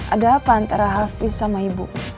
ada apa antara hafiz sama ibu